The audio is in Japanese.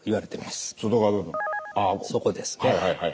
そこですね。